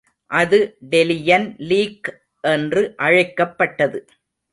அது Delian league என்று அழைக்கப்பட்டது.